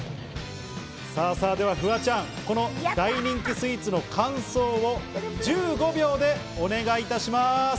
フワちゃん、この大人気スイーツの感想を１５秒でお願いします。